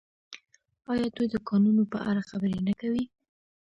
آیا دوی د کانونو په اړه خبرې نه کوي؟